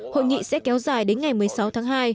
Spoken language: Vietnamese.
hội nghị sẽ kéo dài đến ngày một mươi sáu tháng hai